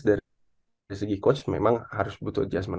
dari segi coach memang harus butuh adjustment